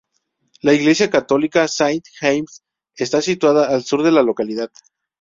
La iglesia católica Saint James está situada al sur de la localidad.